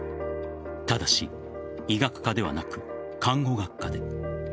ただし医学科ではなく看護学科で。